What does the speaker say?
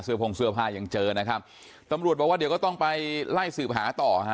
พงเสื้อผ้ายังเจอนะครับตำรวจบอกว่าเดี๋ยวก็ต้องไปไล่สืบหาต่อฮะ